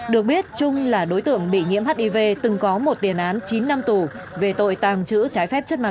được biết trung là đối tượng bị nhiễm hiv từng có một tiền án chín năm tù về tội tàng trữ trái phép chất ma túy